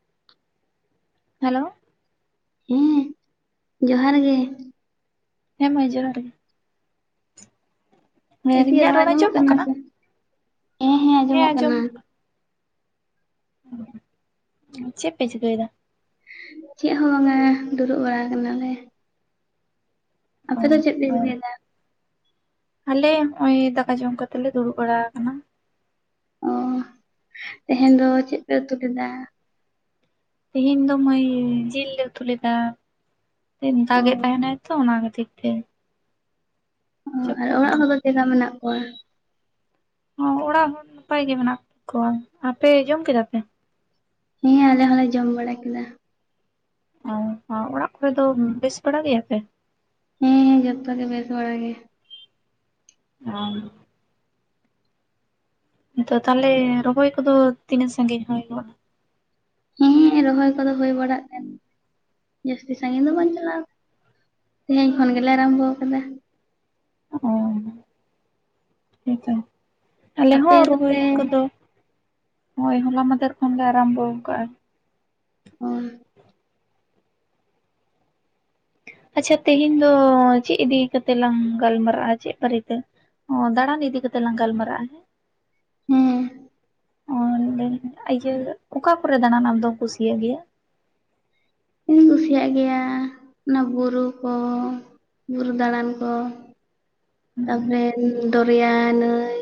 [inaudible] Hello ᱦᱮᱸ ᱡᱚᱦᱟᱨ ᱜᱮ ᱦᱮᱸ ᱢᱟᱹᱭ ᱡᱚᱦᱟᱨ ᱜᱮ ᱦᱮᱸ ᱫᱤ ᱤᱧᱟᱹᱜ ᱨᱚᱲ ᱟᱸᱡᱚᱢᱚᱜ ᱟᱡᱚᱢᱚᱜ ᱠᱟᱱᱟ ᱥᱮ? ᱦᱮᱸ ᱦᱮᱸ ᱟᱸᱡᱚᱢᱚᱜ ᱠᱟᱱᱟ ᱪᱮᱫ ᱯᱮ ᱪᱤᱠᱟᱹᱭᱮᱫᱟ ᱪᱮᱫ ᱦᱚᱸ ᱵᱟᱝᱟ ᱫᱩᱲᱩᱵ ᱵᱟᱲᱟ ᱠᱟᱱᱟᱞᱮ ᱚ ᱟᱯᱮ ᱫᱚ ᱪᱮᱫ ᱯᱮ ᱪᱤᱠᱟᱹᱭᱮᱫᱟ ᱟᱞᱮ ᱱᱚᱜ ᱚᱭ ᱫᱟᱠᱟ ᱡᱚᱢ ᱠᱟᱛᱮᱜ ᱞᱮ ᱫᱩᱲᱩᱵ ᱵᱟᱲᱟ ᱟᱠᱟᱱᱟ ᱚ ᱛᱮᱦᱮᱧ ᱫᱚ ᱪᱮᱫ ᱯᱮ ᱩᱛᱩ ᱞᱮᱫᱟ ᱛᱮᱦᱮᱧ ᱫᱚ ᱢᱟᱹᱭ ᱡᱤᱞ ᱞᱮ ᱩᱛᱩ ᱞᱮᱫᱟ ᱚ ᱫᱟᱜ ᱮᱫ ᱛᱟᱦᱮᱱᱟᱭ ᱛᱚ ᱚᱱᱟ ᱠᱷᱟᱹᱛᱤᱨ ᱦᱮᱸ ᱚ ᱟᱨ ᱚᱲᱟᱜ ᱨᱮ ᱦᱚᱲ ᱫᱚ ᱪᱮᱫᱠᱟ ᱢᱮᱱᱟᱜ ᱠᱚᱣᱟ ᱦᱚᱸ ᱚᱲᱟᱜ ᱦᱚᱲ ᱱᱟᱯᱟᱭ ᱜᱮ ᱢᱮᱱᱟᱜ ᱠᱚᱣᱟ ᱟᱯᱮ ᱡᱚᱢ ᱠᱮᱫᱟ ᱯᱮ ᱦᱮᱸ ᱟᱞᱮ ᱦᱚᱸᱞᱮ ᱡᱚᱢ ᱵᱟᱲᱟ ᱠᱮᱫᱟ ᱚ ᱚᱲᱟᱜ ᱠᱚᱨᱮ ᱫᱚ ᱵᱮᱥ ᱵᱟᱲᱟ ᱜᱮᱭᱟᱯᱮ ᱦᱮᱸ ᱦᱮᱸ ᱡᱚᱛᱚ ᱜᱮ ᱵᱮᱥ ᱵᱷᱲᱟ ᱜᱮ [unintelligible] ᱫᱚ ᱛᱟᱦᱚᱞᱮ ᱨᱚᱦᱚᱭ ᱠᱚᱫᱚ ᱛᱤᱱᱟᱹᱜ ᱥᱟᱺᱜᱤᱧ ᱦᱩᱭᱜ-ᱱᱟ ᱾ ᱦᱮᱸ ᱨᱚᱦᱚᱭ ᱠᱚᱫᱚ ᱦᱩᱭ ᱵᱟᱲᱟᱜ ᱠᱟᱱᱟ ᱾ ᱡᱟᱹᱥᱛᱤ ᱥᱟᱜᱤᱧ ᱫᱚ ᱵᱟᱝ ᱪᱟᱞᱟᱣ ᱛᱮᱦᱮᱧ ᱠᱷᱚᱱ ᱜᱮᱞᱮ ᱟᱨᱟᱢᱵᱚ ᱟᱠᱟᱫᱟ ᱚ [unintelligible] ᱦᱮᱸᱛᱚ ᱟᱞᱮ ᱟᱯᱮ ᱦᱚᱸ ᱨᱣᱚᱭ ᱫᱚᱯᱮ ᱠᱚᱫᱚ ᱾ ᱦᱳᱭ ᱦᱚᱞᱟᱢᱟᱫᱷᱮᱨ ᱠᱷᱚᱱ ᱞᱮ ᱟᱨᱟᱢᱵᱚ ᱠᱟᱜ-ᱟ ᱟᱨ [unintelligible] ᱟᱪᱪᱷᱟ ᱛᱮᱦᱮᱧ ᱫᱚ ᱪᱮᱫ ᱤᱫᱤ ᱠᱟᱛᱮᱜ ᱞᱟᱝ ᱜᱟᱞᱢᱟᱨᱟᱜᱼᱟ ᱪᱮᱫ ᱵᱟᱨᱮ ᱛᱮ ᱚ ᱫᱟᱬᱟᱱ ᱤᱫᱤ ᱠᱟᱛᱮᱜ ᱞᱟᱝ ᱜᱟᱞᱢᱟᱨᱟᱜᱼᱟ ᱦᱮᱸ ᱾ ᱦᱮᱸ [inaudible] ᱚ ᱤᱭᱟᱹ ᱚᱠᱟ ᱠᱚᱨᱮ ᱫᱟᱬᱟᱱ ᱟᱢ ᱫᱚᱢ ᱠᱩᱥᱤᱭᱟᱜ ᱜᱮᱭᱟ ᱤᱧ ᱠᱩᱥᱤᱭᱟᱜ ᱜᱮᱭᱟ ᱚᱱᱟ ᱵᱩᱨᱩ ᱠᱚ᱾ ᱵᱩᱨᱩ ᱫᱟᱬᱟᱱ ᱠᱚ ᱾ ᱛᱟᱯᱚᱨᱮ ᱦᱮᱸ ᱫᱚᱨᱭᱟ ᱱᱟᱹᱭ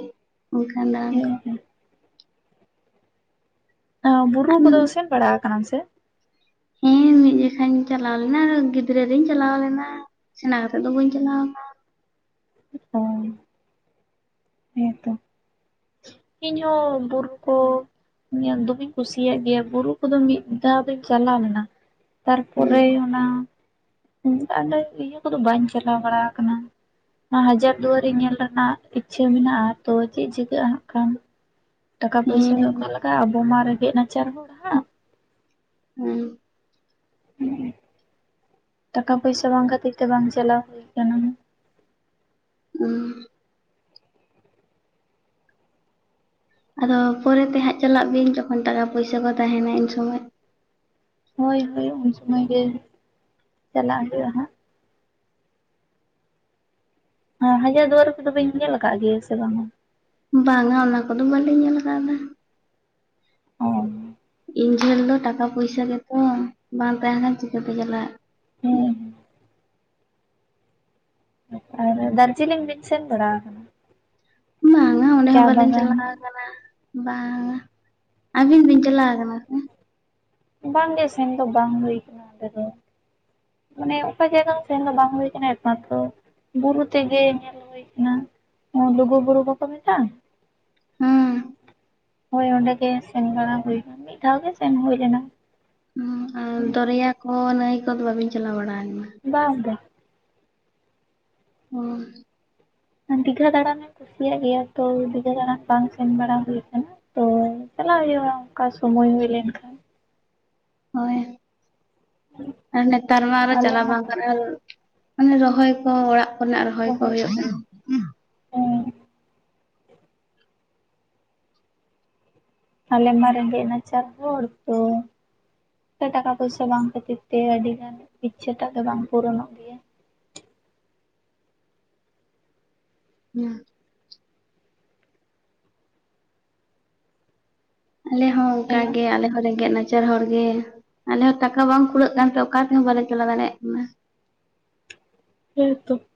ᱚᱱᱠᱟᱱᱟᱜ ᱠᱚ ᱾ ᱦᱮᱸ ᱵᱩᱨᱩ ᱠᱚᱫᱚ ᱥᱮᱱ ᱵᱟᱲᱟ ᱠᱟᱱᱟᱢ ᱥᱮ ᱾ ᱦᱮᱸ ᱢᱤᱫ ᱡᱠᱷᱷᱟ ᱤᱧ ᱪᱟᱞᱟᱣ ᱞᱮᱱᱟ ᱜᱤᱫᱽᱨᱟᱹ ᱨᱤᱧ ᱪᱟᱞᱟᱣ ᱞᱮᱱᱟ ᱥᱮᱬᱟ ᱠᱟᱛᱮᱜ ᱫᱚ ᱵᱟᱹᱧ ᱪᱟᱞᱟᱣᱱᱟ ᱾ ᱦ [unintelligible] ᱦᱮᱸᱛᱚ ᱤᱧ ᱦᱚ ᱵᱩᱨᱩ ᱠᱚ ᱾ ᱤᱧ ᱫᱚᱢᱮᱧ ᱠᱩᱥᱤᱭᱟᱜ ᱜᱮᱭᱟ ᱵᱩᱨᱩ ᱠᱚᱫᱚ ᱢᱤᱫ ᱫᱷᱟᱣ ᱫᱚᱧ ᱪᱟᱞᱟᱣ ᱞᱮᱱᱟ ᱾ ᱛᱟᱨᱯᱚᱨᱮ ᱦᱮᱸ ᱚᱱᱟ ᱾ ᱚᱱᱠᱟ ᱱᱟᱹᱭ ᱠᱚᱫᱚ ᱵᱟᱹᱧ ᱪᱟᱞᱟᱣ ᱵᱟᱲᱟ ᱟᱠᱟᱱᱟ᱾ ᱱᱚᱣᱟ ᱦᱟᱡᱟᱨ ᱫᱩᱣᱟᱨᱤ ᱧᱮᱞ ᱨᱮᱱᱟᱜ ᱤᱪᱪᱷᱟᱹ ᱢᱮᱱᱟᱜᱼᱟ ᱛᱚ ᱪᱮᱫ ᱪᱤᱠᱟᱹᱜᱼᱟ ᱦᱟᱸᱜ ᱠᱷᱟᱱ᱾ ᱴᱟᱠᱟ ᱯᱚᱭᱥᱟ ᱫᱚ ᱦᱮᱸ ᱠᱟ ᱞᱟᱜᱟᱜᱼᱟ ᱟᱵᱚ ᱢᱟ ᱨᱮᱸᱜᱮᱡ ᱱᱟᱪᱟᱨ ᱦᱚᱲ ᱦᱟᱜ᱾ [unintelligible] [unintelligible] ᱴᱟᱠᱟ ᱯᱚᱭᱥᱟ ᱵᱟᱝ ᱠᱷᱟᱹᱛᱤᱨ ᱛᱮ ᱵᱟᱝ ᱪᱟᱞᱟᱣ ᱦᱩᱭᱩ ᱟᱠᱟᱱᱟ᱾ ᱦᱮᱸ ᱟᱫᱚ ᱯᱚᱨᱮ ᱛᱮ ᱦᱟᱸᱜ ᱪᱟᱞᱟᱜ ᱵᱤᱱ ᱡᱚᱠᱷᱚᱱ ᱴᱟᱠᱟ ᱯᱩᱭᱥᱟ ᱠᱚ ᱛᱟᱦᱮᱱᱟ ᱤᱱ ᱥᱚᱢᱚᱭ ᱾ ᱦᱳᱭ ᱦᱳᱭ ᱩᱱ ᱥᱩᱢᱟᱹᱭ ᱜᱮ ᱪᱟᱞᱟᱜ ᱦᱩᱭᱩᱜᱼᱟ ᱦᱟᱸᱜ ᱾ ᱟᱨ ᱦᱟᱡᱟᱨ ᱫᱩᱣᱟᱨᱤ ᱠᱚᱫᱚ ᱧᱮᱞ ᱟᱠᱟᱫ ᱜᱮᱭᱟ ᱥᱮ ᱵᱟᱝᱟ? ᱵᱟᱝᱟ ᱚᱱᱟ ᱠᱚᱫᱚ ᱵᱟᱞᱤᱧ ᱧᱮᱞ ᱟᱠᱟᱣᱫᱟ ᱾ [unintelligible] ᱤᱧ ᱴᱷᱮᱱ ᱫᱚ ᱴᱟᱠᱟ ᱯᱚᱭᱥᱟ ᱜᱮᱛᱚ ᱵᱟᱝ ᱛᱟᱦᱮᱱ ᱪᱤᱠᱟᱹᱛᱮ ᱪᱟᱞᱟᱜ ᱾ ᱦᱮᱸ ᱟᱨ ᱫᱟᱨᱡᱤᱞᱤᱝ ᱵᱤᱱ ᱥᱮᱱ ᱵᱟᱲᱟ ᱟᱠᱟᱱᱟ? ᱵᱟᱝᱼᱟ ᱚᱸᱰᱮ ᱪᱟ ᱦᱚᱸ ᱵᱟᱞᱤᱮᱧ ᱵᱟᱜᱟᱱ ᱪᱟᱞᱟᱣ ᱟᱠᱟᱱᱟ ᱾ ᱵᱟᱝᱟ ᱟᱹᱵᱤᱱ ᱵᱤᱱ ᱪᱟᱞᱟᱣ ᱠᱟᱱᱟ ᱥᱮ? ᱵᱟᱝᱜᱮ ᱥᱮᱱ ᱫᱚ ᱵᱟᱝ ᱦᱩᱭ ᱠᱟᱱᱟ ᱚᱸᱰᱮ ᱫᱚ ᱾ ᱢᱟᱱᱮ ᱚᱠᱟ ᱡᱟᱭᱜᱟ ᱦᱚ ᱥᱮᱱ ᱫᱚ ᱵᱟᱝ ᱦᱩᱭᱩ ᱠᱟᱱᱟ ᱮᱠᱢᱟᱛᱚ ᱵᱩᱨᱩ ᱛᱮᱜᱮ ᱧᱮᱞ ᱦᱩᱭ ᱠᱟᱱᱟ ᱞᱩᱜᱩᱵᱩᱨᱩ ᱵᱟᱠᱚ ᱢᱮᱛᱟᱜᱼᱟ ᱾ [unintelligible] ᱦᱳᱭ ᱚᱸᱰᱮ ᱜᱮ ᱥᱮᱱ ᱵᱟᱲᱟ ᱦᱩᱭᱱᱟ ᱢᱤᱫ ᱫᱷᱟᱣ ᱜᱮ ᱥᱮᱱ ᱦᱩᱭ ᱞᱮᱱᱟ ᱾ ᱦᱩᱸ ᱟᱨ ᱫᱚᱨᱭᱟ ᱠᱚ ᱱᱟᱹᱭ ᱠᱚᱫᱚ ᱵᱟᱵᱤᱱ ᱪᱟᱞᱟᱣ ᱵᱟᱲᱟ ᱟᱠᱟᱱᱟ? ᱵᱟᱝ ᱜᱮ᱾ [unintelligible] ᱫᱤᱜᱷᱟ ᱫᱟᱬᱟᱱ ᱮᱢ ᱠᱩᱥᱤᱭᱟᱜ ᱜᱮᱭᱟ ᱛᱚ ᱫᱤᱜᱷᱟ ᱫᱟᱬᱟᱱ ᱵᱟᱝ ᱥᱮᱱ ᱵᱟᱲᱟ ᱦᱩᱭ ᱟᱠᱟᱱᱟ? ᱛᱚ ᱪᱟᱞᱟᱜ ᱦᱩᱭᱩᱜᱼᱟ ᱚᱱᱠᱟ ᱥᱚᱢᱚᱭ ᱦᱩᱭ ᱞᱮᱱᱠᱷᱟᱱ ᱾ ᱦᱳᱭ ᱟᱨ ᱱᱮᱛᱟᱨ ᱢᱟ ᱟᱨ ᱟᱞᱮ ᱪᱟᱞᱟᱣ ᱢᱟ ᱵᱟᱝ ᱜᱟᱱᱚᱜᱼᱟ᱾ ᱟᱨ ᱚᱱᱮ ᱨᱚᱦᱚᱭ ᱠᱚ ᱚᱲᱟᱜ ᱠᱚᱨᱮᱱᱟᱜ ᱨᱚᱦᱚᱭ ᱠᱚ ᱦᱩᱭᱩᱜ ᱠᱟᱱᱟ ᱾ ᱦᱮᱸ ᱟᱞᱮ ᱢᱟ ᱨᱮᱜᱮᱡ ᱱᱟᱪᱟᱨ ᱦᱚᱲ ᱴᱟᱠᱟ ᱯᱚᱭᱥᱟ ᱵᱟᱝ ᱠᱷᱟᱹᱛᱤᱨ ᱛᱮ ᱟᱹᱰᱤ ᱜᱟᱱ ᱤᱪᱪᱷᱟᱹᱴᱟᱜ ᱫᱚ ᱵᱟᱝ ᱯᱩᱨᱚᱱᱚᱜ ᱜᱮᱭᱟ ᱾ [unintelligible] ᱟᱞᱮ ᱦᱚᱸ ᱚᱱᱠᱟᱜ ᱦᱮᱞᱳ ᱜᱮ ᱟᱞᱮ ᱦᱚᱸ ᱨᱮᱸᱜᱮᱜ ᱱᱟ ᱪᱟᱨ ᱦᱚᱲᱜᱮ ᱟᱞᱮ ᱦᱚᱸ ᱴᱟᱠᱟ ᱵᱟᱝ ᱠᱩᱲᱟᱹᱜ ᱠᱟᱱᱛᱮ ᱚᱠᱟ ᱛᱮᱦᱚᱸ ᱵᱟᱞᱮ ᱪᱟᱞᱟᱣ ᱫᱟᱲᱮᱭᱟᱜ ᱠᱟᱱᱟ᱾ [unintelligible]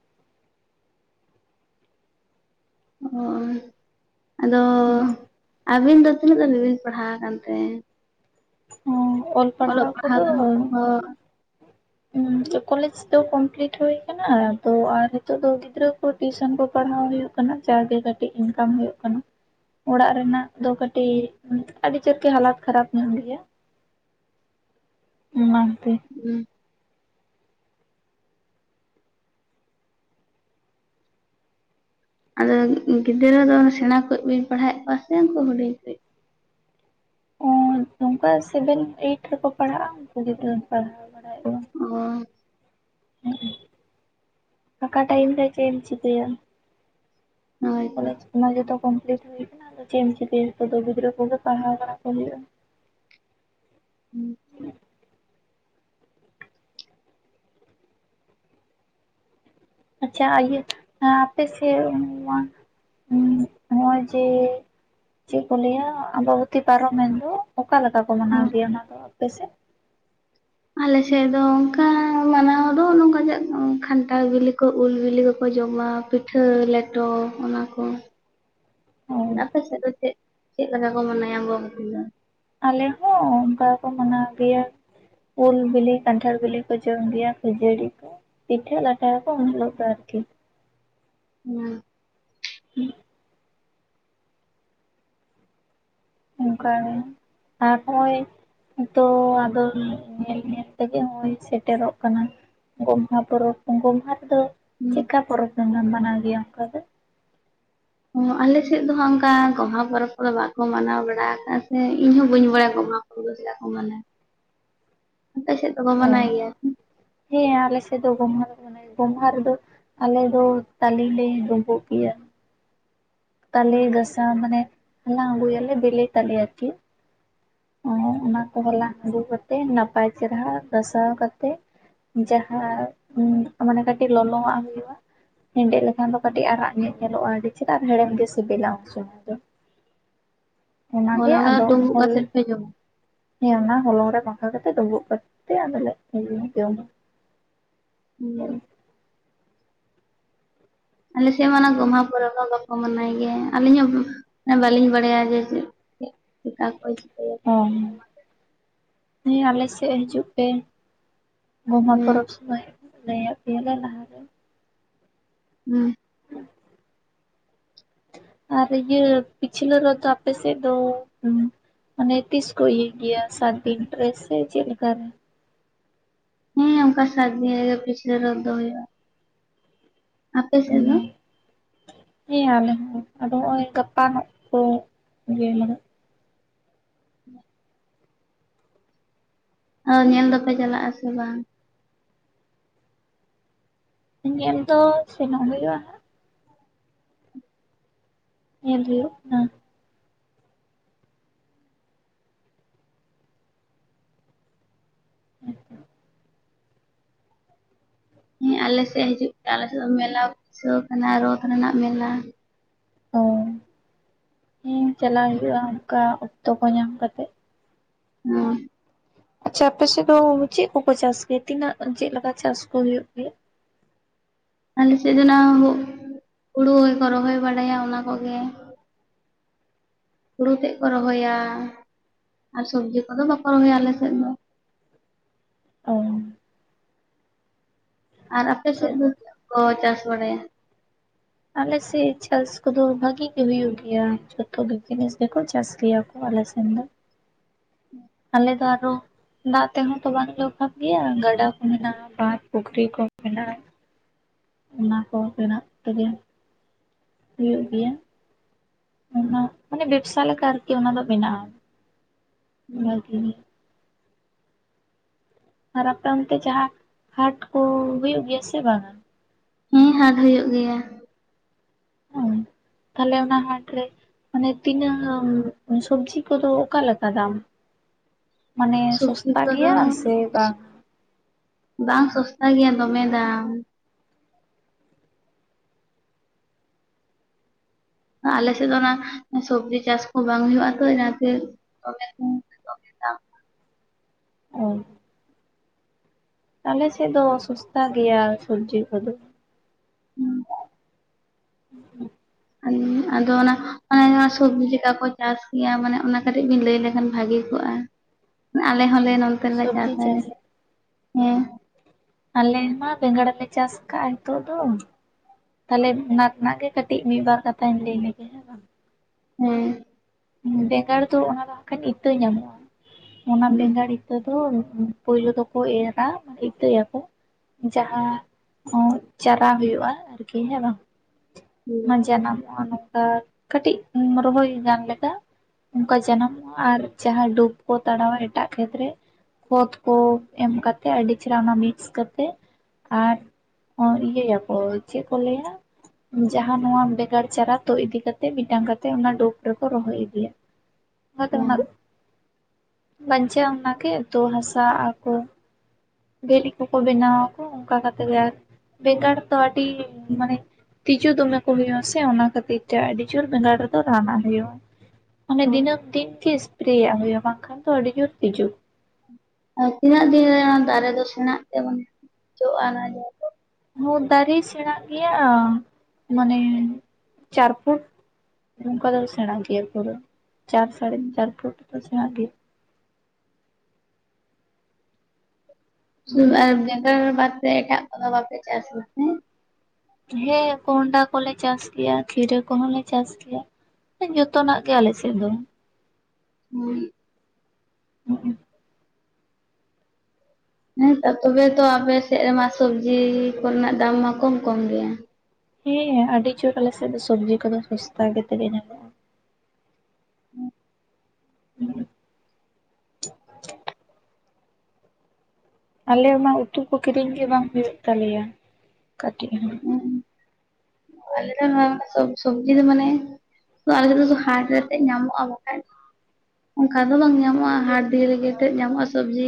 ᱚ ᱟᱫᱚ, [inaudible] ᱟᱵᱤᱱ ᱫᱚ ᱛᱤᱱᱟᱹᱜ ᱫᱷᱟᱵᱤᱡ ᱵᱤᱱ ᱯᱟᱲᱦᱟᱣ ᱟᱠᱟᱱ ᱛᱮ? ᱦᱚᱸ ᱚᱞ ᱚᱞᱚᱜ ᱯᱟᱲᱦᱟᱣ ᱠᱚᱫᱚ ᱫᱚ [unintelligible] [unintelligible] ᱠᱚᱞᱮᱡᱽ ᱫᱚ ᱠᱚᱢᱯᱞᱤᱴ ᱦᱩ ᱟᱠᱟᱱᱟ ᱟᱫᱚ ᱟᱨ ᱱᱤᱛᱚᱜ ᱫᱚ ᱜᱤᱫᱽᱨᱟᱹ ᱠᱚ ᱴᱤᱭᱩᱥᱚᱱ ᱠᱚ ᱯᱟᱲᱦᱟᱣ ᱦᱩᱭᱩᱜ ᱠᱟᱱᱟ, ᱡᱟᱜᱮ ᱠᱟᱹᱴᱤᱡ ᱤᱱᱠᱟᱢ ᱦᱩᱭᱩᱜ ᱠᱟᱱᱟ᱾ ᱚᱲᱟᱜ ᱨᱮᱱᱟᱜ ᱫᱚ ᱠᱟᱹᱴᱤᱡ ᱟᱹᱰᱤ ᱡᱳᱨ ᱜᱮ ᱦᱟᱞᱟᱛ ᱠᱷᱟᱨᱟᱯ ᱧᱚᱜ ᱜᱮᱭᱟ᱾ ᱚᱱᱟ ᱛᱮ [unintelligible] ᱟᱫᱚ ᱜᱤᱫᱽᱨᱟᱹ ᱫᱚ ᱥᱮᱬᱟ ᱠᱩᱡ ᱵᱤᱱ ᱯᱟᱲᱦᱟᱣᱮᱫ ᱠᱚᱣᱟ ᱥᱮ ᱩᱱᱠᱩ ᱦᱩᱰᱤᱧ ᱠᱩᱡ? [unintelligible] ᱱᱚᱝᱠᱟ ᱥᱮᱵᱮᱱ ᱮᱭᱤᱴ ᱨᱮᱠᱚ ᱯᱟᱲᱦᱟᱜᱼᱟ ᱩᱱᱠᱩ ᱜᱤᱫᱽᱨᱟᱹᱧ ᱯᱟᱲᱦᱟᱣ ᱵᱟᱲᱟᱭᱮᱫ ᱠᱚᱣᱟ᱾ ᱚᱻ ᱯᱷᱟᱸᱠᱟ ᱴᱟᱭᱢ ᱨᱮ ᱪᱮᱜ ᱮᱢ ᱪᱤᱠᱟᱹᱭᱟ? ᱦᱳᱭᱛᱚ ᱠᱚᱞᱮᱡ ᱠᱚᱢᱟ ᱡᱚᱛᱚ ᱠᱚᱢᱯᱞᱤᱴ ᱦᱩᱭ ᱟᱠᱟᱱᱟ ᱟᱫᱚ ᱪᱚᱜ ᱮᱢ ᱪᱤᱠᱟᱹᱭᱟ ᱱᱤᱛᱚᱜ ᱫᱚ ᱜᱤᱫᱽᱨᱟᱹ ᱠᱚᱜᱮ ᱯᱟᱲᱦᱟᱣ ᱵᱟᱲᱟ ᱠᱚ ᱦᱩᱭᱩᱜᱼᱟ᱾ ᱦᱩᱸ ᱟᱪᱪᱷᱟ ᱤᱭᱟᱹ ᱟᱯᱮ ᱥᱮᱫ ᱢᱟ ᱦᱮᱸ ᱱᱚᱜᱼᱚᱭ ᱡᱮ ᱪᱮᱫ ᱠᱚ ᱞᱟᱹᱭᱟ ᱟᱢᱵᱟᱵᱚᱛᱤ ᱯᱟᱨᱚᱢᱮᱱ ᱫᱚ, ᱚᱠᱟ ᱞᱮᱠᱟ ᱠᱚ ᱢᱟᱱᱟᱣ ᱦᱮᱸ ᱜᱮᱭᱟ ᱚᱱᱟ ᱫᱚ ᱟᱯᱮᱥᱮᱫ ᱟᱞᱮ ᱥᱮᱫ ᱫᱚ ᱚᱱᱠᱟ [inaudible] ᱠᱷᱟᱱᱴᱟᱲ ᱵᱤᱞᱤ ᱠᱚ ᱩᱞ ᱵᱤᱞᱤ ᱠᱚᱠᱚ ᱡᱚᱢᱟ ᱯᱤᱴᱷᱟᱹ ᱞᱮᱴᱚ ᱚᱱᱟ ᱠᱚ ᱚ ᱟᱯᱮ ᱥᱮᱜ ᱫᱚ ᱪᱮᱜ ᱪᱮᱜ ᱞᱮᱠᱟ ᱠᱚ ᱢᱟᱱᱟᱭᱟ ᱜᱚ ᱟᱢᱵᱟᱵᱚᱛᱤ ᱫᱚ ᱟᱞᱮ ᱦᱚᱸ ᱚᱱᱠᱟ ᱜᱮ ᱠᱚ ᱢᱟᱱᱟᱣ ᱜᱮᱭᱟ ᱩᱞ ᱵᱤᱞᱤ ᱠᱟᱱᱴᱟᱲ ᱵᱮᱞᱤ ᱠᱚ ᱡᱚᱢ ᱜᱮᱭᱟ ᱠᱷᱟᱹᱡᱟᱹᱲᱤ ᱠᱚ ᱯᱤᱴᱷᱟᱹ ᱞᱟᱴᱟᱭᱟ ᱠᱚ ᱮᱱᱦᱤᱞᱚᱜ ᱫᱚ ᱟᱨᱠᱤ [inaudible] [inaudible] ᱚᱱᱠᱟ ᱜᱮ ᱛᱟᱯᱚᱨᱮ ᱛᱚ ᱟᱫᱚ ᱧᱮᱞ ᱧᱮᱞ ᱛᱮᱜᱮ ᱦᱚᱸᱜᱼᱚᱭ ᱥᱮᱴᱮᱨᱚᱜ ᱠᱟᱱᱟ ᱜᱚᱢᱦᱟ ᱯᱚᱨᱚᱵᱽ ᱜᱚᱢᱦᱟ ᱨᱮᱫᱚ ᱦᱮᱸ ᱪᱮᱜᱠᱟ ᱯᱚᱨᱚᱵᱽ ᱯᱮ ᱢᱟ ᱢᱟᱱᱟᱣ ᱜᱮᱭᱟ ᱚᱱᱠᱟ ᱫᱚ ᱟᱞᱮ ᱥᱮᱫ ᱫᱚ ᱦᱟᱸᱜ ᱚᱱᱠᱟ ᱜᱚᱢᱦᱟ ᱯᱚᱨᱚᱵᱽ ᱠᱚᱫᱚ ᱵᱟᱠᱚ ᱢᱟᱱᱟᱣ ᱵᱟᱲᱟ ᱟᱠᱟᱜᱼᱟ ᱥᱮ ᱤᱧ ᱦᱚᱸ ᱵᱟᱹᱧ ᱵᱟᱲᱟᱭᱟ ᱜᱚᱢᱦᱟ [unintelligible] ᱠᱚ ᱢᱟᱱᱮ ᱟᱯᱮ ᱥᱮᱫ ᱫᱚᱠᱚ ᱢᱟᱱᱟᱣ ᱚ ᱜᱮᱭᱟ ᱦᱮᱸ ᱟᱞᱮ ᱥᱮᱫ ᱫᱚ ᱜᱚᱢᱦᱟ ᱫᱚ [unintelligible] ᱜᱚᱢᱦᱟ ᱨᱮᱫᱚ ᱟᱞᱮ ᱫᱚ ᱛᱟᱞᱮ ᱞᱮ ᱰᱳᱵᱳᱜ ᱜᱮᱭᱟ ᱛᱟᱞᱮ ᱜᱟᱥᱟᱣ ᱢᱟᱱᱮ ᱦᱟᱞᱟᱝ ᱟᱹᱜᱩᱭᱟᱞᱮ ᱵᱮᱞᱮ ᱛᱟᱞᱮ ᱟᱨᱠᱤ ᱚᱱᱟ ᱠᱚ ᱦᱟᱞᱟᱝ ᱟᱹᱜᱩ ᱠᱟᱛᱮ ᱱᱟᱯᱟᱭ ᱪᱮᱨᱦᱟ ᱜᱟᱥᱟᱣ ᱠᱟᱛᱮ ᱡᱟᱦᱟᱸ ᱢᱟᱱᱮ ᱠᱟᱹᱴᱤᱡ ᱞᱚᱞᱚᱣᱟᱜ ᱦᱩᱭᱩᱜᱼᱟ ᱦᱮᱸᱰᱮᱜ ᱞᱮᱠᱷᱟᱱ ᱫᱚ ᱠᱟᱹᱴᱤᱡ ᱟᱨᱟᱜ ᱧᱮᱜ ᱧᱮᱞᱚᱜᱼᱟ ᱟᱹᱰᱤ ᱪᱮᱨᱦᱟ ᱦᱮᱲᱮᱢ ᱜᱮ ᱥᱤᱵᱤᱞᱟ ᱩᱱ ᱥᱚᱢᱚᱭ ᱫᱚ ᱚᱱᱟᱜᱮ ᱚᱱᱟ ᱠᱚ ᱟᱫᱚ ᱰᱩᱸᱵᱩᱜ ᱦᱚᱞᱚᱝ ᱠᱟᱛᱮᱫ ᱯᱮ ᱡᱚᱢᱟ ᱦᱮᱸ ᱚᱱᱟ ᱦᱚᱞᱚᱝ ᱨᱮ ᱢᱟᱠᱷᱟᱣ ᱠᱟᱛᱮ ᱰᱩᱸᱵᱩᱜ ᱠᱟᱛᱮ ᱟᱫᱚ ᱞᱮ ᱡᱚᱢᱟ ᱦᱮᱸ ᱦᱩᱸ ᱟᱞᱮ ᱥᱮᱫ ᱢᱟ ᱚᱱᱟ ᱜᱚᱢᱦᱟ ᱯᱚᱨᱚᱵᱽ ᱵᱟᱠᱚ ᱢᱟᱱᱟᱭ ᱜᱮᱭᱟ ᱟᱹᱞᱤᱧ ᱦᱚᱸ ᱵᱟᱹᱞᱤᱧ ᱵᱟᱲᱟᱭᱟ ᱡᱮ ᱪᱮᱫ ᱪᱮᱫ [unintelligible] [unintelligible] ᱦᱮᱸ ᱟᱞᱮ ᱥᱮᱜ ᱦᱤᱡᱩᱜ ᱯᱮ ᱜᱚᱢᱦᱟ ᱦᱮᱸ ᱯᱚᱨᱚᱵᱽ ᱥᱚᱢᱚᱭ ᱞᱟᱹᱭᱟᱜ ᱯᱮᱭᱟ ᱞᱮ ᱞᱟᱦᱟ ᱨᱮ [unintelligible] ᱟᱨ ᱤᱭᱟᱹ ᱯᱤᱪᱷᱞᱟᱹ ᱨᱚᱫ ᱫᱚ ᱟᱯᱮ ᱥᱮᱫ ᱫᱚ ᱢᱟᱱᱮ ᱛᱤᱥ ᱠᱚ ᱤᱭᱟᱹᱭ ᱜᱮᱭᱟ ᱥᱟᱛᱫᱤᱱ ᱨᱮ ᱥᱮ ᱪᱮᱫ ᱞᱮᱠᱟ ᱨᱮ ᱦᱮᱸ ᱚᱱᱠᱟ ᱥᱟᱛᱫᱤᱱ ᱨᱮᱜᱮ ᱯᱤᱪᱷᱞᱟᱹ ᱨᱚᱫ ᱫᱚ ᱦᱩᱭᱩᱜᱼᱟ ᱟᱯᱮ ᱥᱮᱫ ᱫᱚ ᱦᱮᱸ ᱟᱞᱮ ᱦᱚᱸ ᱟᱫᱚ ᱦᱚᱜᱼᱚᱭ ᱜᱟᱯᱟ ᱱᱚᱸᱜ ᱠᱚ ᱤᱭᱟᱹᱭ ᱦ ᱟᱫᱚ ᱧᱮᱞ ᱫᱚᱯᱮ ᱪᱟᱞᱟᱜᱼᱟ ᱥᱮ ᱵᱟᱝ ᱧᱮᱞ ᱫᱚ ᱥᱮᱱᱚᱜ ᱦᱩᱭᱩᱜᱼᱟ ᱧᱮᱞ ᱦᱳᱭᱳᱜ ᱠᱟᱱᱟ ᱦᱮᱸ ᱦᱮᱸ ᱟᱞᱮ ᱥᱮᱫ ᱦᱤᱡᱩᱜ ᱯᱮ ᱟᱞᱮ ᱥᱮᱫ ᱫᱚ ᱢᱮᱞᱟ ᱵᱟᱹᱭᱥᱟᱹᱣ ᱠᱟᱱᱟ ᱨᱚᱛ ᱨᱮᱱᱟᱜ ᱢᱮᱞᱟ ᱚ ᱦᱮᱸ ᱪᱟᱞᱟᱜ ᱦᱩᱭᱩᱜᱼᱟ ᱚᱱᱠᱟ ᱚᱠᱛᱚ ᱠᱚ ᱧᱟᱢ ᱠᱟᱛᱮ ᱦᱩᱸ ᱟᱪᱪᱷᱟ ᱟᱯᱮ ᱥᱮᱫ ᱫᱚ ᱪᱮᱫ ᱠᱚᱠᱚ ᱪᱟᱥ ᱜᱮᱭᱟ ᱛᱤᱱᱟᱹᱜ ᱪᱮᱫ ᱞᱮᱠᱟ ᱪᱟᱥ ᱠᱚ ᱦᱩᱭᱩᱜ ᱜᱮᱭᱟ ᱟᱞᱮ ᱥᱮᱫ ᱫᱚ ᱱᱟᱜ ᱦᱩᱲᱩ ᱜᱮᱠᱚ ᱨᱚᱦᱚᱭ ᱵᱟᱲᱟᱭᱟ ᱚᱱᱟ ᱠᱚᱜᱮ ᱦᱳᱲᱩ ᱛᱮᱫ ᱠᱚ ᱨᱚᱦᱚᱭᱟ ᱟᱨ ᱥᱚᱵᱽᱡᱤ ᱠᱚᱫᱚ ᱵᱟᱠᱚ ᱨᱚᱦᱚᱭᱟ ᱟᱞᱮ ᱥᱮᱫ ᱫᱚ ᱚ ᱟᱨ ᱟᱯᱮ ᱥᱮᱫ ᱥᱚᱵ ᱫᱚ ᱪᱮᱫ ᱠᱚ ᱪᱟᱥ ᱵᱟᱲᱟᱭᱟ ᱟᱞᱮ ᱥᱮᱫ ᱪᱟᱥ ᱠᱚᱫᱚ ᱵᱷᱟᱹᱜᱤ ᱜᱮ ᱦᱩᱭᱩᱜ ᱜᱮᱭᱟ ᱡᱚᱛᱚ ᱜᱮ ᱡᱤᱱᱤᱥ ᱜᱮᱠᱚ ᱪᱟᱥ ᱜᱮᱭᱟ ᱠᱚ ᱟᱞᱮᱥᱮᱱ ᱫᱚ ᱦᱩᱸ ᱟᱞᱮ ᱫᱚ ᱟᱨᱚ ᱫᱟᱜ ᱛᱮᱦᱚᱸ ᱛᱚ ᱵᱟᱝᱞᱮ ᱚᱵᱷᱟᱵ ᱜᱮᱭᱟ ᱜᱟᱰᱟ ᱠᱚ ᱢᱮᱱᱟᱜᱼᱟ ᱵᱟᱸᱛ ᱯᱩᱠᱷᱨᱤ ᱠᱚ ᱢᱮᱱᱟᱜᱼᱟ ᱚᱱᱟ ᱠᱚ ᱨᱮᱱᱟᱜ ᱛᱮᱜᱮ ᱦᱩᱭᱩᱜ ᱜᱮᱭᱟ ᱚᱱᱟ ᱢᱟᱱᱮ ᱵᱮᱵᱥᱟ ᱞᱮᱠᱟ ᱟᱨᱠᱤ ᱚᱱᱟ ᱫᱚ ᱢᱱᱟᱜᱼᱟ ᱚᱱᱟᱜᱮ ᱟᱨ ᱟᱯᱮ ᱚᱱᱛᱮ ᱡᱟᱦᱟᱸ ᱦᱟᱴ ᱠᱚ ᱦᱩᱭᱩᱜ ᱜᱮᱭᱟ ᱥᱮ ᱵᱟᱝᱟ ᱦᱮᱸ ᱦᱟᱴ ᱦᱩᱭᱩᱜ ᱜᱮᱭᱟ ᱚ ᱛᱟᱦᱞᱮ ᱚᱱᱟ ᱦᱟᱴ ᱨᱮ ᱢᱟᱱᱮ ᱛᱤᱱᱟᱹᱜ ᱥᱚᱵᱡᱤ ᱠᱚᱫᱚ ᱚᱠᱟ ᱞᱮᱠᱟ ᱫᱟᱢ ᱢᱟᱱᱮ ᱥᱚᱵᱡᱤ ᱥᱚᱥᱛᱟ ᱠᱚᱫᱚ ᱜᱮᱭᱟ ᱥᱮ ᱵᱟᱝ ᱵᱟᱝ ᱥᱚᱥᱛᱟ ᱜᱮᱭᱟ ᱫᱚᱢᱮ ᱫᱟᱢ ᱟᱞᱮᱥᱮᱫ ᱫᱚ ᱚᱱᱟ ᱥᱚᱵᱡᱤ ᱪᱟᱥ ᱠᱚ ᱵᱟᱝ ᱦᱩᱭᱩᱜᱼᱟ ᱛᱚ ᱚᱱᱟᱛᱮ ᱠᱚ [unintelligible] ᱟᱞᱮ ᱥᱮᱫ ᱫᱚ ᱥᱚᱥᱛᱟ ᱜᱮᱭᱟ ᱥᱚᱵᱡᱤ ᱠᱚᱫᱚ [unintelligible] ᱟᱫᱚ ᱚᱱᱟ ᱥᱚᱵᱡᱤ ᱪᱮᱠᱟ ᱠᱚ ᱪᱟᱥ ᱜᱮᱭᱟ ᱢᱟᱱᱮ ᱚᱱᱟ ᱠᱟᱹᱴᱤᱡ ᱵᱤᱱ ᱞᱟᱹᱭ ᱞᱮᱠᱷᱟᱱ ᱵᱷᱟᱜᱤᱜ ᱟᱞᱮ ᱦᱚᱸᱞᱮ ᱱᱚᱱᱛᱮ ᱨᱮᱞᱮ ᱪᱟᱥ ᱟᱞᱮ ᱦᱮᱸ ᱟᱞᱮ ᱢᱟ ᱵᱮᱝᱟᱲ ᱞᱮ ᱪᱟᱥᱠᱟᱜᱼᱟ ᱱᱤᱛᱚᱜ ᱫᱚ ᱛᱟᱦᱞᱮ ᱚᱱᱟ ᱨᱮᱱᱟᱜ ᱜᱮ ᱠᱟᱹᱴᱤᱡ ᱢᱤᱫ ᱵᱟᱨ ᱠᱟᱛᱷᱟᱧ ᱞᱟᱹᱭ ᱞᱮᱜᱮ ᱦᱮ ᱵᱟᱝ ᱦᱮᱸ ᱵᱮᱸᱜᱟᱲ ᱫᱚ ᱚᱱᱟ ᱫᱚ ᱦᱟᱜᱠᱷᱟᱱ ᱤᱛᱟᱹ ᱧᱟᱢᱚᱜᱼᱟ ᱚᱱᱟ ᱦᱮᱸ ᱵᱮᱸᱜᱟᱲ ᱤᱛᱟᱹ ᱤᱛᱚᱜ ᱫᱚ ᱯᱩᱭᱞᱩ ᱫᱚᱠᱚ ᱮᱨᱟ ᱤᱛᱟᱹᱭᱟᱠᱚ ᱡᱟᱦᱟᱸ ᱦᱚᱸ ᱪᱟᱨᱟ ᱦᱩᱭᱩᱜᱼᱟ ᱟᱨᱠᱤ ᱦᱮᱸ ᱵᱟᱝ ᱦᱩᱸ ᱚᱱᱟ ᱡᱟᱱᱟᱢᱚᱜᱼᱟ ᱱᱚᱝᱠᱟ ᱠᱟᱹᱴᱤᱡ ᱨᱚᱦᱚᱭ ᱜᱟᱱᱞᱮᱠᱟ ᱚᱱᱠᱟ ᱡᱟᱱᱟᱢᱚᱜᱼᱟ ᱟᱨ ᱡᱟᱦᱟᱸ ᱰᱩᱵ ᱠᱚ ᱛᱟᱲᱟᱣᱟ ᱮᱴᱟᱜ ᱠᱷᱮᱛᱨᱮ ᱠᱷᱚᱛ ᱠᱚ ᱮᱢ ᱠᱟᱛᱮᱫ ᱟᱹᱰᱤ ᱪᱮᱦᱨᱟ ᱚᱱᱟ ᱢᱤᱠᱥ ᱠᱟᱛᱮᱫ ᱟᱨ ᱦᱸ ᱤᱭᱟᱹᱭᱟᱠᱚ ᱪᱮᱫ ᱠᱚ ᱞᱟᱹᱭᱟ ᱡᱟᱦᱟᱸ ᱱᱚᱣᱟ ᱵᱮᱜᱟᱲ ᱪᱟᱨᱟ ᱛᱚ ᱤᱫᱤ ᱠᱟᱛᱮᱜ ᱢᱤᱫᱴᱟᱝ ᱠᱟᱛᱮ ᱚᱱᱟ ᱰᱳᱵ [unintelligible] ᱠᱚ ᱨᱚᱦᱚᱭ ᱤᱫᱤᱭᱟ ᱟᱫᱚ ᱦᱮᱸ ᱚᱱᱟ ᱫᱚ ᱵᱟᱧᱪᱟᱜᱼᱟ ᱚᱱᱟᱜᱮ ᱛᱳ ᱦᱟᱥᱟᱣ ᱟᱠᱚ ᱵᱷᱤᱞᱤ ᱠᱚᱠᱚ ᱵᱮᱱᱟᱣᱟᱠᱚ ᱚᱱᱠᱟ ᱠᱟᱛᱮ ᱜᱮ ᱟᱨ ᱵᱷᱮᱜᱟᱨ ᱫᱚ ᱟᱹᱰᱤ ᱢᱟᱱᱮ ᱛᱤᱡᱩ ᱫᱚᱢᱮ ᱠᱚ ᱦᱩᱭᱩᱜᱼᱟ ᱥᱮ ᱚᱱᱟ ᱠᱷᱟᱹᱛᱤᱨ ᱛᱮ ᱟᱹᱰᱤ ᱡᱳᱨ ᱵᱮᱸᱜᱟᱲ ᱨᱮᱫᱚ ᱨᱟᱱ ᱦᱩᱭᱩᱜᱼᱟ ᱢᱟᱱᱮ ᱦᱮᱸ ᱫᱤᱱᱟᱹᱢ ᱫᱤᱱ ᱜᱮ ᱮᱥᱯᱨᱮᱭᱟᱜ ᱦᱩᱭᱩᱜᱼᱟ ᱵᱟᱝᱠᱷᱟᱱ ᱫᱚ ᱟᱹᱰᱤ ᱡᱳᱨ ᱛᱤᱡᱩ ᱟᱨ ᱛᱤᱱᱟᱹᱜ ᱫᱤᱱᱨᱮ ᱚᱱᱟ ᱫᱟᱨᱮ ᱫᱚ ᱥᱮᱬᱟᱜ ᱛᱮ ᱡᱚᱜᱼᱟ ᱚᱱᱟ ᱦᱚ ᱫᱟᱨᱮ ᱥᱮᱬᱟᱜ ᱜᱮᱭᱟ ᱢᱟᱱᱮ ᱪᱟᱨ ᱯᱷᱩᱴ ᱱᱚᱝᱠᱟ ᱫᱚ ᱥᱮᱬᱟ ᱜᱮᱭᱟ ᱯᱩᱨᱮ ᱪᱟᱨ ᱥᱟᱲᱮ ᱪᱟᱨ ᱯᱷᱩᱴ ᱫᱚ ᱥᱮᱬᱟᱜ ᱜᱮᱭᱟ [unintelligible] ᱵᱟᱫᱽ ᱛᱮ ᱮᱴᱟᱜ ᱠᱚᱫᱚ ᱵᱟᱯᱮ ᱪᱟᱥᱮᱭᱟ ᱦᱮᱸ ᱠᱚᱸᱰᱟ ᱠᱚᱞᱮ ᱪᱟᱥ ᱜᱮᱭᱟ ᱠᱷᱤᱨᱟᱹ ᱠᱚᱦᱚᱸᱞᱮ ᱪᱟᱥ ᱜᱮᱭᱟ ᱡᱚᱛᱚᱱᱟᱜ ᱜᱮ ᱟᱞᱮ ᱥᱮᱫ ᱫᱚ [unintelligible] ᱦᱩᱸᱻ ᱦᱮᱸᱛᱚ ᱛᱚᱵᱮ ᱛᱚ ᱟᱯᱮ ᱥᱮᱫ ᱨᱮᱢᱟ ᱥᱚᱵᱽᱡᱤ ᱠᱚᱨᱮᱱᱟᱜ ᱫᱟᱢ ᱢᱟ ᱠᱚᱢ ᱠᱚᱢ ᱜᱮᱭᱟ ᱦᱮᱸ ᱟᱹᱰᱤ ᱡᱳᱨ ᱟᱞᱮ ᱥᱮᱫ ᱫᱚ ᱥᱚᱵᱽᱡᱤ ᱠᱚᱫᱚ ᱥᱚᱥᱛᱟ ᱜᱮᱛᱮ ᱧᱟᱢᱚᱜ ᱟ ᱦᱩᱸ [unintelligible] ᱟᱞᱮ ᱢᱟ ᱩᱛᱩ ᱠᱚ ᱠᱤᱨᱤᱧ ᱜᱮ ᱵᱟᱝ ᱦᱩᱭᱩᱜ ᱛᱟᱞᱮᱭᱟ ᱠᱟᱹᱴᱤᱡ ᱦᱚᱸ ᱦᱳᱭ ᱟᱞᱮᱫᱚ ᱦᱚᱸ ᱥᱚᱵᱡᱤ ᱫᱚ ᱢᱟᱱᱮ ᱛᱚ ᱟᱞᱮ ᱫᱚ ᱥᱚᱫᱩ ᱦᱟᱴ ᱨᱮᱛᱮᱜ ᱧᱟᱢᱚᱜᱼᱟ ᱵᱟᱠᱷᱟᱡ ᱚᱱᱠᱟ ᱫᱚ ᱵᱟᱝ ᱧᱟᱢᱚᱜᱼᱟ ᱦᱟᱴ ᱰᱷᱮᱨ ᱜᱮᱛᱮ ᱧᱟᱢᱚᱜᱼᱟ ᱥᱚᱵᱡᱤ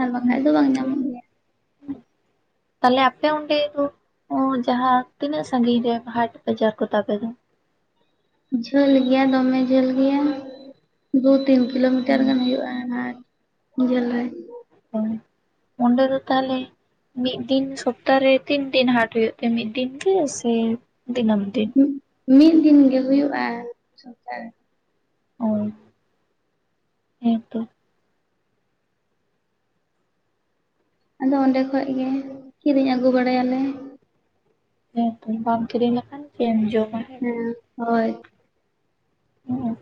ᱟᱨ ᱵᱟᱠᱷᱟᱡ ᱫᱚ ᱵᱟᱝ ᱧᱟᱢᱚᱜᱼᱟ [inaudible] ᱛᱟᱦᱞᱮ ᱟᱯᱮ ᱚᱸᱰᱮ ᱫᱚ ᱡᱟᱦᱟᱸ ᱛᱤᱱᱟᱹᱜ ᱥᱟᱹᱜᱤᱧ ᱨᱮ ᱯᱟᱦᱟᱴ ᱵᱟᱡᱟᱨ ᱠᱚ ᱛᱟᱯᱮ ᱫᱚ ᱡᱷᱟᱹᱞ ᱜᱮᱭᱟ ᱫᱚᱢᱮ ᱡᱷᱟᱹᱞ ᱜᱮᱭᱟ ᱫᱩ ᱛᱤᱱ ᱠᱤᱞᱳᱢᱤᱴᱟᱨ ᱜᱟᱱ ᱦᱩᱭᱩᱜᱼᱟ ᱟᱨ ᱡᱟᱞ ᱦᱳᱭ ᱚᱰᱮ ᱫᱚ ᱛᱟᱦᱚᱞᱮ ᱢᱤᱫ ᱫᱤᱱ ᱥᱚᱯᱛᱟ ᱨᱮ ᱛᱤᱱ ᱫᱤᱱ ᱦᱟᱴ ᱦᱩᱭᱩᱜ ᱛᱮ ᱢᱤᱫ ᱫᱤᱱ ᱜᱮ ᱥᱮ ᱫᱤᱱᱟᱹᱢ ᱫᱤᱱ ᱢᱤᱫ ᱫᱤᱱ ᱜᱮ ᱦᱩᱭᱩᱜᱼᱟ ᱥᱚᱢᱛᱟᱦᱮ ᱨᱮ ᱦᱳᱭ ᱦᱮ ᱛᱚ ᱟᱫᱚ ᱚᱸᱰᱮ ᱠᱷᱚᱡ ᱜᱮ ᱠᱤᱨᱤᱧ ᱟᱹᱜᱩ ᱵᱟᱲᱟᱭ ᱟᱞᱮ ᱦᱮ ᱛᱚ ᱵᱟᱢ ᱠᱤᱨᱤᱧ ᱞᱮᱠᱷᱟᱱ ᱪᱮᱫ ᱮᱢ ᱡᱚᱢᱟ ᱦᱮᱸ ᱦᱳᱭ ᱦᱮᱸ